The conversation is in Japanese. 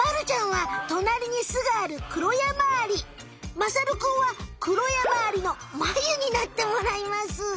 まさるくんはクロヤマアリのマユになってもらいます。